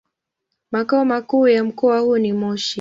Makao makuu ya mkoa huu ni Moshi.